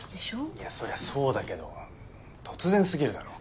いやそりゃそうだけど突然すぎるだろ。